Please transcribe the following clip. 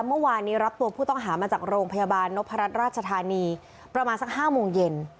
เมื่อวานนี้รับตัวผู้ต้องหามาจากโรงพยาบาลนพรัชราชธานีประมาณสัก๕โมงเย็น